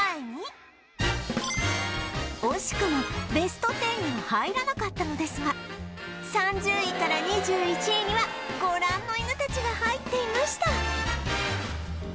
惜しくも ＢＥＳＴ１０ には入らなかったのですが３０位から２１位にはご覧の犬たちが入っていました